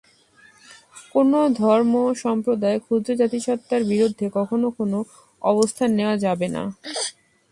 কোনো ধর্ম, সম্প্রদায়, ক্ষুদ্র জাতিসত্তার বিরুদ্ধে কখনো কোনো অবস্থান নেওয়া যাবে না।